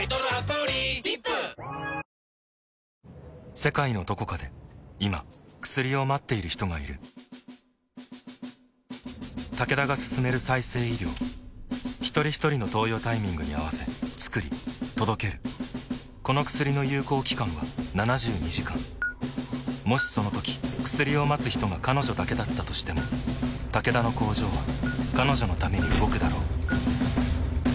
世界のどこかで今薬を待っている人がいるタケダが進める再生医療ひとりひとりの投与タイミングに合わせつくり届けるこの薬の有効期間は７２時間もしそのとき薬を待つ人が彼女だけだったとしてもタケダの工場は彼女のために動くだろう